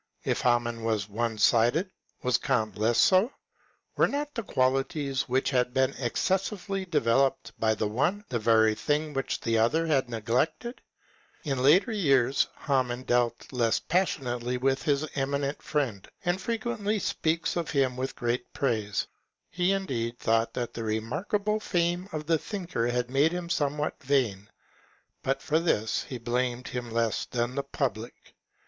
If Hamann was one sided, was Elant less so P Were not the qualities which had been excessively developed by the one, the very things which the other had neglected ? In later years Hamann dealt less passionately with his eminent friend, and frequently speaks of him with great praise. He, indeed, thought that the remarkable fame of the thinker had made him somewhat vain, but for this he blamed him less than the public.